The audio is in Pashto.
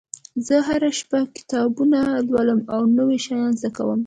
زه هره شپه کتابونه لولم او نوي شیان زده کوم